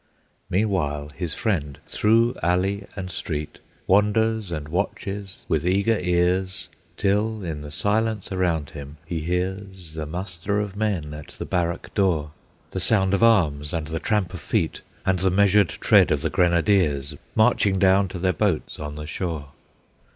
Meanwhile, his friend, through alley and street, Wanders and watches with eager ears, Till in the silence around him he hears The muster of men at the barrack door, The sound of arms, and the tramp of feet, And the measured tread of the grenadiers, Marching down to their boats on the shore.